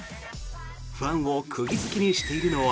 ファンを釘付けにしているのは。